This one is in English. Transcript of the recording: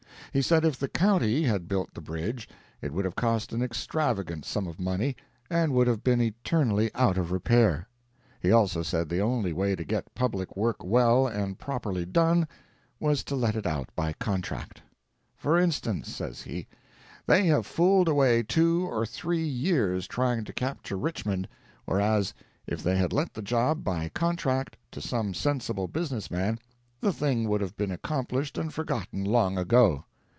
He said if the county had built the bridge it would have cost an extravagant sum of money, and would have been eternally out of repair. He also said the only way to get public work well and properly done was to let it out by contract. "For instance," says he, "they have fooled away two or three years trying to capture Richmond, whereas if they had let the job by contract to some sensible businessman, the thing would have been accomplished and forgotten long ago."